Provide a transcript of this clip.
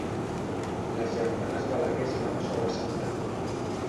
Les germanes Balaguer es van sobresaltar.